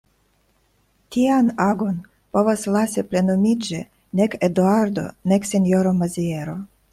Tian agon povas lasi plenumiĝi nek Eduardo nek sinjoro Maziero.